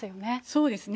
そうですね。